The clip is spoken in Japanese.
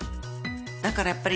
だからやっぱり